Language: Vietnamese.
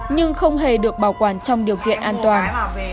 nhưng không hề được bảo quản trong điều kiện an toàn